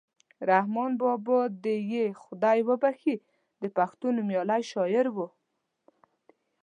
رحمان بابا دې یې خدای وبښي د پښتو نومیالی شاعر ؤ.